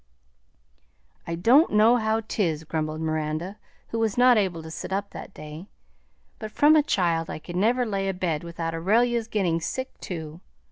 "I don' know how 'tis," grumbled Miranda, who was not able to sit up that day; "but from a child I could never lay abed without Aurelia's gettin' sick too.